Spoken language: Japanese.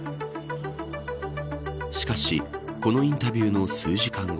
しかしこのインタビューの数時間後